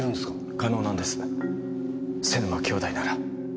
可能なんです瀬沼兄弟なら。